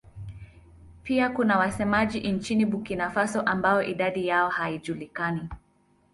Pia kuna wasemaji nchini Burkina Faso ambao idadi yao haijulikani.